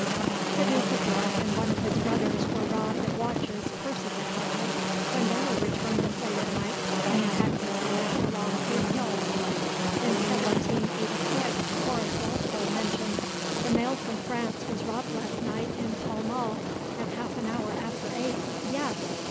The Duke of York and one of his brothers were robbed of watches, purses, etc., when they were returning late at night in a hackney coach along Hay Hill. In 1786, Horace Walpole mentions, "The mail from France was robbed last night in Pall Mall, at half an hour after eight, yes!